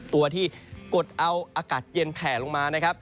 ตัวที่กดเอาอากาศเย็นแผ่ลงมานะครับ